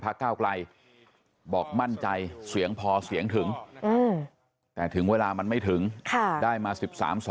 แล้วแปดพักก็ไม่ได้เห็นเรื่องที่จะแก้อยู่แล้วนะครับเป็นเรื่องของพระเก้าไกล